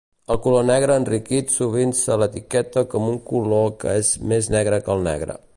El color negre enriquit sovint se l'etiqueta com un color que és "més negre que el negre".